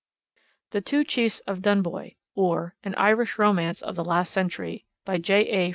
The Two Chiefs of Dunboy: or An Irish Romance of the Last Century. By J. A.